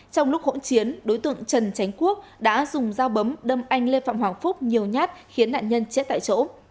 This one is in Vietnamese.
trong lúc hỗn chiến đối tượng trần tránh quốc đã dùng dao bấm đâm anh lê phạm hoàng phúc nhiều nhát khiến nạn nhân chết tại chỗ